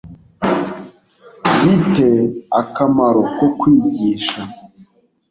bi te akamaro ko kwigisha